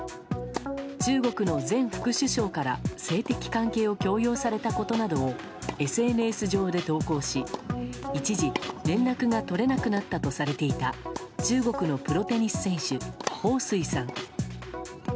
中国の前副首相から性的関係を強要されたことなどをＳＮＳ上で投稿し、一時連絡が取れなくなったとされていた中国のプロテニス選手ホウ・スイさん。